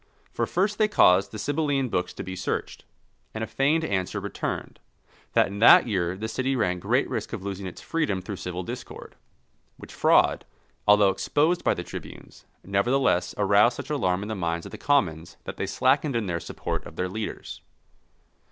For first they caused the Sibylline books to be searched, and a feigned answer returned, that in that year the city ran great risk of losing its freedom through civil discord; which fraud, although exposed by the tribunes, nevertheless aroused such alarm in the minds of the commons that they slackened in their support of their leaders.